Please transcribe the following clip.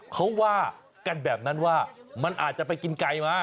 เขาว่ากันแบบนั้นว่ามันอาจจะไปกินไก่มา